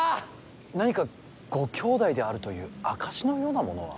何かご兄弟であるという証しのようなものは。